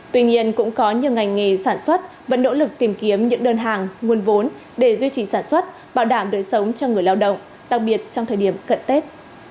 tuy nhiên cũng có nhiều ngành nghề sản xuất vẫn nỗ lực tìm kiếm những đơn hàng nguồn vốn để duy trì sản xuất bảo đảm đời sống cho người lao động đặc biệt trong thời điểm cận tết